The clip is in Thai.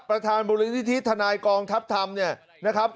ประธานมูลนิธิทนายกองทัพธรรมเนี่ยนะครับ